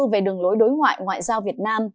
về đường lối đối ngoại ngoại giao việt nam